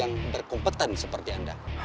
yang berkumpulan seperti anda